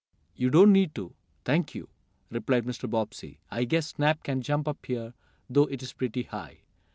"You don't need to, thank you," replied Mr. Bobbsey. "I guess Snap can jump up here, though it is pretty high."